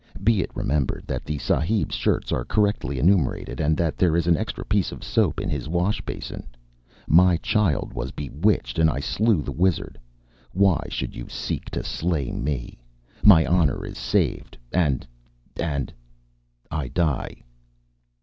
Be it remembered that the sahib's shirts are correctly enumerated, and that there is an extra piece of soap in his washbasin. My child was bewitched, and I slew the wizard. Why should you seek to slay me? My honor is saved, and and I die."